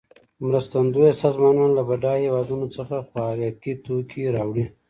مرستندویه سازمانونه له بډایه هېوادونو څخه خوارکي توکې راوړي.